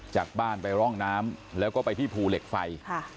จากบ้านไปร่องน้ำแล้วก็ไปที่ภูเหล็กไฟ